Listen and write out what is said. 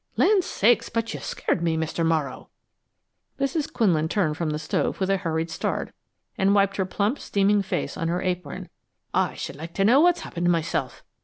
"Land's sakes, but you scared me, Mr. Morrow!" Mrs. Quinlan turned from the stove with a hurried start, and wiped her plump, steaming face on her apron. "I should like to know what's happened myself.